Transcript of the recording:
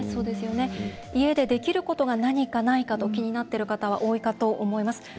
家でできることが何かないかと気になっている方は多いかと思います。